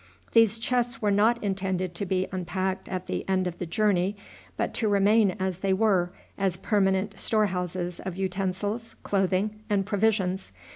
These chests were not intended to be unpacked at the end of the journey, but to remain as they were, as permanent storehouses of utensils, clothing, and provisions.